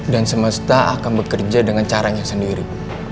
dan semesta akan bekerja dengan caranya sendiri